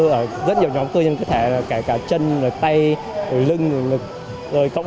rất nhiều nhóm cơ trên cơ thể cả chân tay lưng